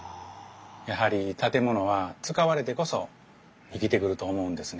やはり建物は使われてこそ生きてくると思うんですね。